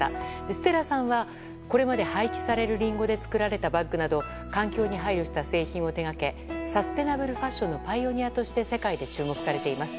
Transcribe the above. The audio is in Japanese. ステラさんはこれまで廃棄されるリンゴで作られたバッグなど環境に配慮した製品を手掛けサステナブルファッションのパイオニアとして世界で注目されています。